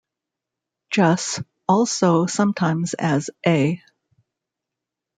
Juss., also sometimes as A.